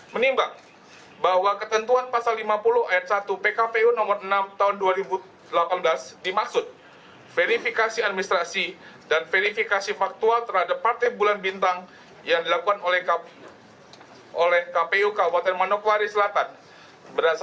menimbang bahwa pasal lima belas ayat satu pkpu no enam tahun dua ribu delapan belas tentang pendaftaran verifikasi dan pendatapan partai politik peserta pemilihan umum anggota dewan perwakilan rakyat daerah